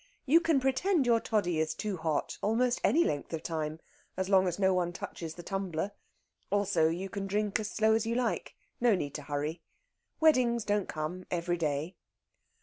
You can pretend your toddy is too hot, almost any length of time, as long as no one else touches the tumbler; also you can drink as slow as you like. No need to hurry. Weddings don't come every day.